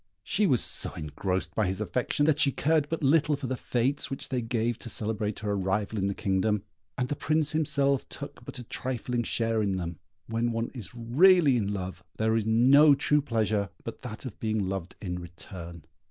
She was so engrossed by his affection, that she cared but little for the fêtes which they gave to celebrate her arrival in the kingdom, and the Prince himself took but a trifling share in them. When one is really in love, there is no true pleasure but that of being loved in return.